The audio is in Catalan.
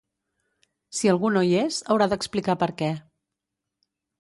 Si algú no hi és, haurà d’explicar perquè